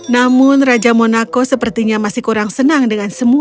namun raja monaco sepertinya masih kurang senang dengan semuanya